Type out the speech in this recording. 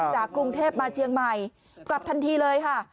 จากกรุงเทพมาเชียงใหม่กลับทันทีเลยค่ะ